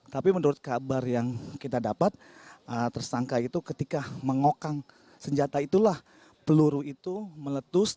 tapi menurut kabar yang kita dapat tersangka itu ketika mengokang senjata itulah peluru itu meletus